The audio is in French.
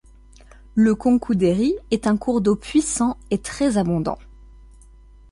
Le Konkouderi est un cours d'eau puissant et très abondant.